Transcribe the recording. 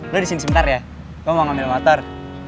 lo disini sebentar ya gue mau ngambil motor